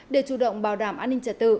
để chủ động bảo đảm an ninh trật tự